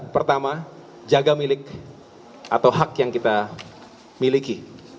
pertama jaga milik atau hak yang kita miliki